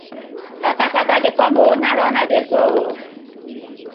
Katakata dey com ooo, na run I dey so ooo.